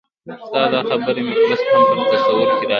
ستا دا خبره مې اوس هم په تصور کې راشنه